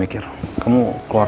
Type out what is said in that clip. mas aku mau ke rumah